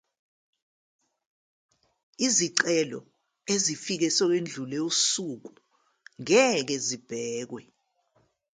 Izicelo ezifike sekwedlule usuku ngeke zibhekwe.